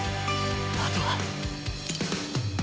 あとは！